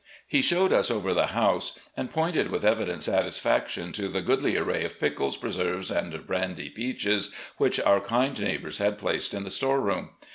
He showed us over the house, and pointed with evident satisfaction to the goodly array of pickles, preserves, and brandy peaches which our kind neighbours had placed in the store room.